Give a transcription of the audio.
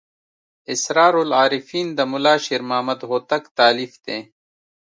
اسرار العارفین د ملا شیر محمد هوتک تألیف دی.